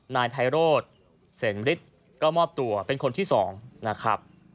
นายไพโรธเสนฤทธิ์ก็มอบตัวเป็นคนที่๒นะครับ